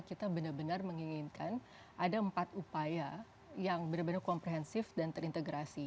kita benar benar menginginkan ada empat upaya yang benar benar komprehensif dan terintegrasi